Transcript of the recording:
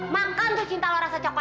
makan tuh cinta loh rasa coklat